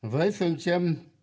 với phương châm